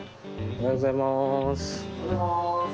おはようございます。